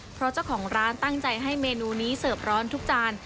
เพราะเจ้าของร้านตั้งใจให้เมนูนี้เสิร์ฟร้อนทุกจาน